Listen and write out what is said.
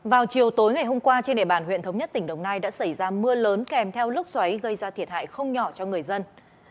vào chiều tối ngày hôm qua trên địa bàn huyện thống nhất tỉnh đồng nai đã xảy ra mưa lớn kèm theo lốc xoáy gây ra thiệt hại không nhỏ cho người dân